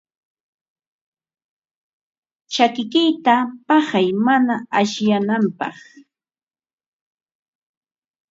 Chakikiyta paqay mana asyananpaq.